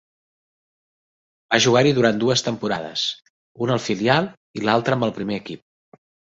Va jugar-hi durant dues temporades, una al filial i l'altra amb el primer equip.